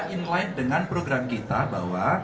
in line dengan program kita bahwa